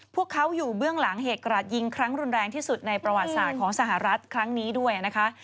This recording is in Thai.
พวกเขาอยู่เบื้องหลังเหตุกราดยิงครั้งรุนแรงที่สุดในประวัติศาสตร์ของสหรัฐครั้งนี้ด้วยนะคะ